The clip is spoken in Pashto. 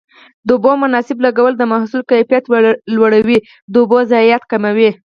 د اوبو مناسب لګول د محصول کیفیت لوړوي او د اوبو ضایعات کموي.